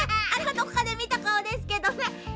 どこかでみたかおですけどね。